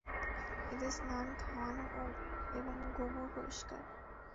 এদের স্নান, খাওয়ানো এবং গোবর পরিষ্কার।